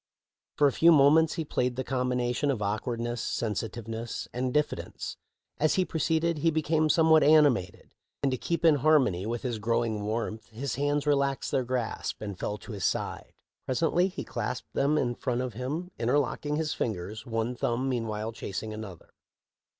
For a few moments he played the combination^ of awkwardness, sensitiveness, and diffidence. As he proceeded he became somewhat animated, and to keep in harmony with his growing warmth his hands relaxed their grasp and fell to his side. Presently he clasped them in front of him, interlocking his fingers, one thumb meanwhile chasing another.